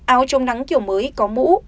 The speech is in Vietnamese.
áo chống nắng kiểu mới có mũ